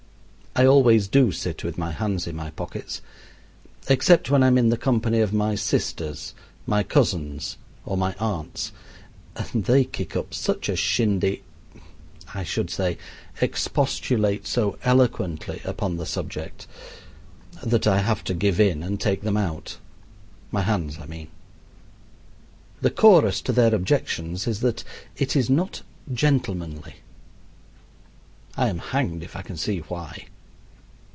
I always do sit with my hands in my pockets except when I am in the company of my sisters, my cousins, or my aunts; and they kick up such a shindy I should say expostulate so eloquently upon the subject that I have to give in and take them out my hands I mean. The chorus to their objections is that it is not gentlemanly. I am hanged if I can see why.